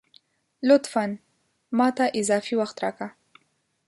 لطفاً ! ماته اضافي وخت راکه